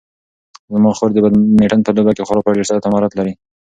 زما خور د بدمینټن په لوبه کې خورا ډېر سرعت او مهارت لري.